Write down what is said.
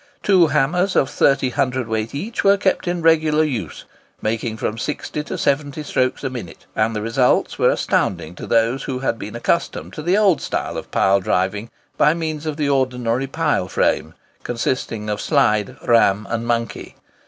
Two hammers of 30 cwt. each were kept in regular use, making from 60 to 70 strokes a minute; and the results were astounding to those who had been accustomed to the old style of pile driving by means of the ordinary pile frame, consisting of slide, ram, and monkey.